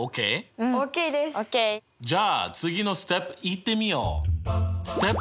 じゃあ次のＳｔｅｐいってみよう！